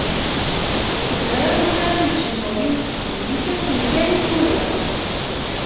Bɣiɣ lukan ad m-d-cnuɣ yiwet n tezlit akken kan i tt-uriɣ.